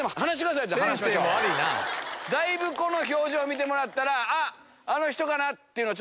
だいぶこの表情見てもらったらあの人かな？っていうの。